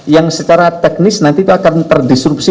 yang secara teknis nanti itu akan terdisrupsi